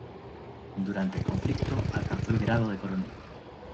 Durante el conflicto alcanzó el grado de coronel.